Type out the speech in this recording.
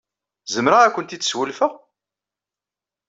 Zemreɣ ad kent-id-swelfeɣ?